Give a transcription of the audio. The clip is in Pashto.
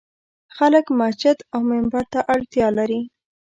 خلک مسجد او منبر ته اړتیا لري.